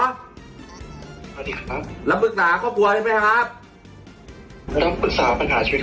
รับปรึกษาครอบครัวได้ไหมครับรับปรึกษาปัญหาชีวิตครอบครัวครับผม